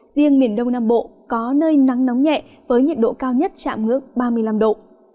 riêng miền đông nam bộ có nơi nắng nóng nhẹ với nhiệt độ cao nhất chạm ngưỡng ba mươi năm độ